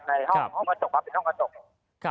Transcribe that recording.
ในห้องกระจกครับเป็นห้องกระจก